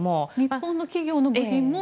日本の企業の部品も？